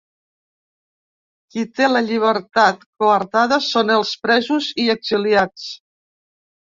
Qui té la llibertat coartada són els presos i exiliats.